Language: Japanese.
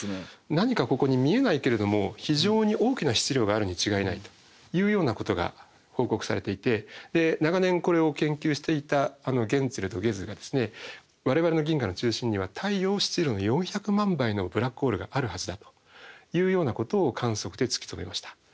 何かここに見えないけれども非常に大きな質量があるに違いないというようなことが報告されていて長年これを研究していたあのゲンツェルとゲズが我々の銀河の中心には太陽質量の４００万倍のブラックホールがあるはずだというようなことを観測で突き止めました。